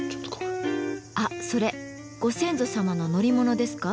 あっそれご先祖様の乗り物ですか？